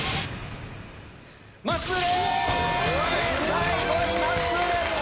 第５位まっすーです！